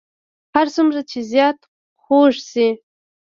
هر څومره چې زیات خوږ شي.